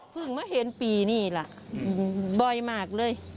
เพิ่งมาเห็นปีนี่แหละบ่อยมากเลย